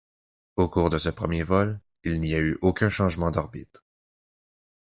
Au cours de ce premier vol, il n'y a eu aucun changement d'orbite.